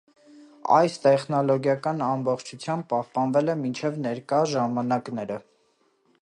Այս տեխնոլոգիան ամբողջությամբ պահպանվել է մինչև ներկա ժամանակները։